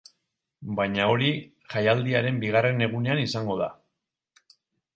Baina hori jaialdiaren bigarren egunean izango da.